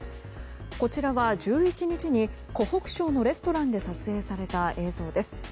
こちらは１１日に湖北省のレストランで撮影された映像です。